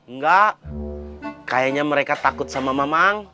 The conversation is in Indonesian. enggak kayaknya mereka takut sama mamang